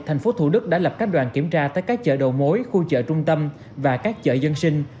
tp thủ đức đã lập các đoàn kiểm tra tại các chợ đồ mối khu chợ trung tâm và các chợ dân sinh